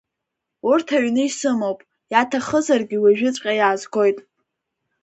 Урҭ аҩны исымоуп, иаҭахызаргьы уажәыҵәҟьа иаазгоит.